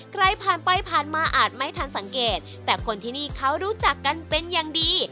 ใครผ่านไปผ่านมาอาจไม่ทันสังเกตแต่คนที่นี่เขารู้จักกันเป็นอย่างดี